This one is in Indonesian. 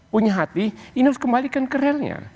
punya hati ini harus kembalikan ke relnya